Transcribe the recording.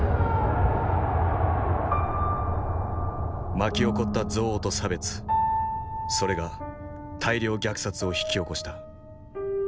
巻き起こった憎悪と差別それが大量虐殺を引き起こした。